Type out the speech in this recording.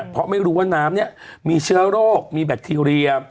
เพราะไม่รู้ว่าน้ำเนี่ยมีเชื้อโรคมีแบคทีเรีย